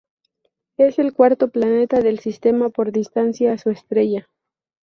Es el cuarto planeta del sistema por distancia a su estrella.